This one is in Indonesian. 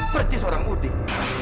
perci seorang mudik